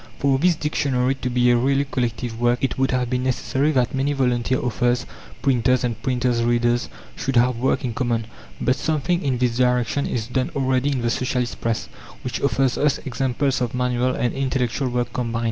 For this dictionary to be a really collective work, it would have been necessary that many volunteer authors, printers, and printers' readers should have worked in common; but something in this direction is done already in the Socialist Press, which offers us examples of manual and intellectual work combined.